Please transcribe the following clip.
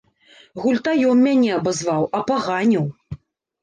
Гультаём мяне абазваў, апаганіў.